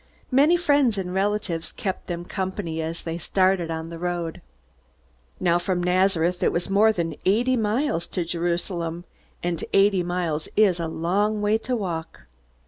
Many friends and relatives kept them company as they started on the road. Now from Nazareth it was more than eighty miles to Jerusalem, and eighty miles is a long way to walk.